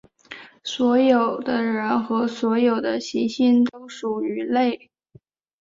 所有的人和所有的行星都属于类。